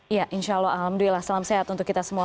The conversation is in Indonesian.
ya insya allah alhamdulillah salam sehat untuk kita semua